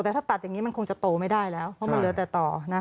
แต่ถ้าตัดอย่างนี้มันคงจะโตไม่ได้แล้วเพราะมันเหลือแต่ต่อนะคะ